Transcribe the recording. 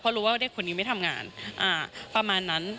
รู้ว่าเด็กคนนี้ไม่ทำงานประมาณนั้น